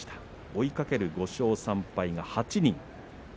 追いかける５勝３敗が８人。